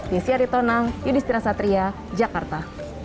di siaritona yudhistira satria jakarta